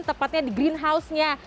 tepatnya di green house nya